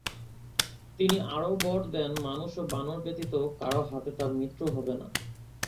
তিনি আরও বর দেন মানুষ ও বানর ব্যতীত কারো হাতে তার মৃত্যু হবে না।